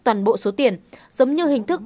toàn bộ số tiền giống như hình thức